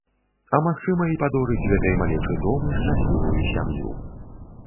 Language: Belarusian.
А магчыма і падорыць гэтай малечы дом і шчаслівую сям'ю.